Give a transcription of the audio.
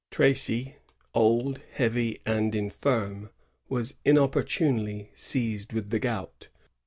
Tracy, old, heavy, and infirm, was inop portunely seized with the gout.